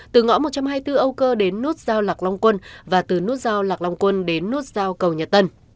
từ ngõ một trăm hai mươi bốn âu cơ đến nút giao lạc long quân và từ nút giao lạc long quân đến nút giao cầu nhật tân